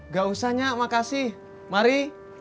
gak usah nyak makasih mari